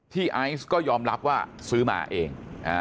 ไอซ์ก็ยอมรับว่าซื้อมาเอง